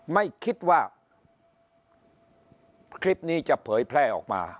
ไม่คิดว่าคลิปนี้จะเผยแพร่ออกมา